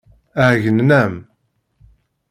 Ɛeyynen-am.